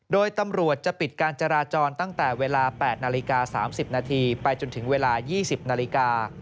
โดยตำรวจจะปิดการจราจรตั้งแต่เวลา๘นาฬิกา๓๐นาทีไปจนถึงเวลา๒๐นาฬิกา